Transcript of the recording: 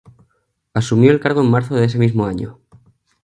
Asumió el cargo en marzo de ese mismo año.